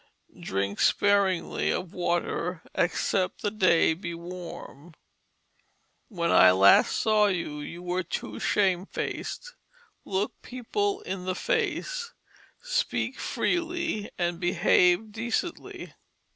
Drink sparingly of water, except the day be warm. When I last saw you, you were too shamefaced; look people in the face, speak freely and behave decently.